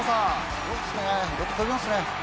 すごいですね、よく飛びますね。